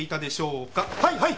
はいはい！